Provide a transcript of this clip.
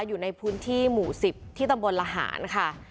อยู่ในพื้นที่หมู่๑๐ที่ตำบลละหารค่ะ